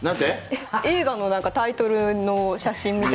映画のタイトルの写真みたい。